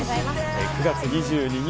９月２２日